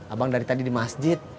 abang dari tadi di masjid